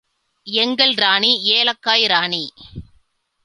எங்கள் ராணி, ஏலக்காய் ராணி!